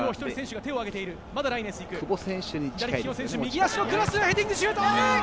右足のクロスヘディングシュート！